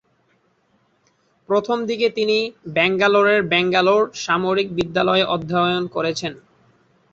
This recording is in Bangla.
প্রথমদিকে তিনি ব্যাঙ্গালোরের ব্যাঙ্গালোর সামরিক বিদ্যালয়ে অধ্যায়ন করেন।